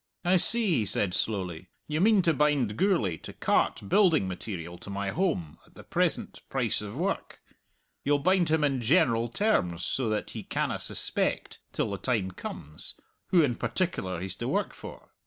"I see," he said slowly. "You mean to bind Gourlay to cart building material to my holm at the present price of work. You'll bind him in general terms so that he canna suspect, till the time comes, who in particular he's to work for.